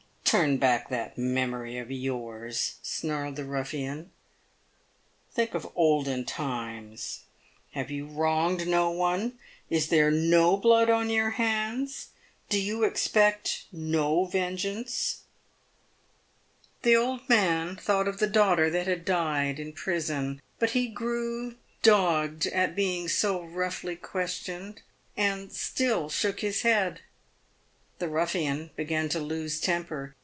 " Turn back that memory of yours," snarled the ruffian. " Think of olden times. Have you wronged no one ? Is there no blood on your hands ; do you expect no vengeance ?" The old man thought of the daughter that had died in prison, but he grew dogged at being so roughly questioned, and still shook his head. The ruffian began to lose temper.